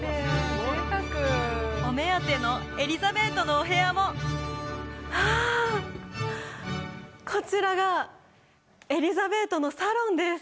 お目当てのエリザベートのお部屋もはあこちらがエリザベートのサロンです